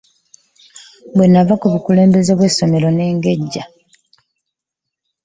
Lwenava kubukulembeze bw'esomero nengejja.